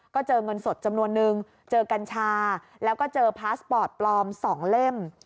ก็เจอเงินสดจำนวนนึงเจอกัญชาแล้วก็เจอพาสปอร์ตปลอม๒เล่ม